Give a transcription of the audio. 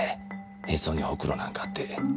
へそにホクロなんかあって。